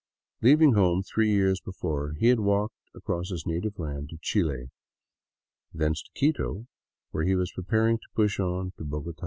Leaving home three years before, he had walked across his native land to Chile, thence to Quito, where he was preparing to push on to Bogota.